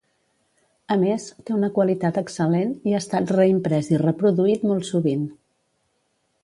A més, té una qualitat excel·lent i ha estat reimprès i reproduït molt sovint.